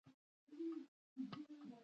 په مرکز او ولایاتو کې باید منظم تشکیلات وي.